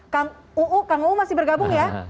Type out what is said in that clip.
kang uu kang uu masih bergabung ya